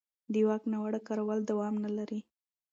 د واک ناوړه کارول دوام نه لري